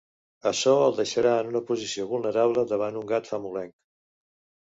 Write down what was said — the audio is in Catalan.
Açò el deixarà en una posició vulnerable davant un gat famolenc.